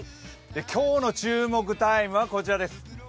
今日の注目タイムはこちらです。